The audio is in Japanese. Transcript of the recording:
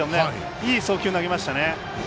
いい送球、投げましたね。